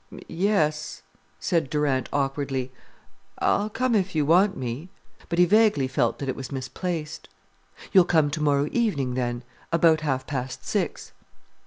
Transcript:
"Yes," said Durant awkwardly, "I'll come if you want me." But he vaguely felt that it was misplaced. "You'll come tomorrow evening, then, about half past six."